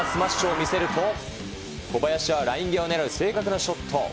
保木がスマッシュを見せると、小林はライン際をねらう正確なショット。